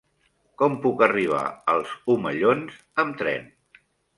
Com puc arribar als Omellons amb tren?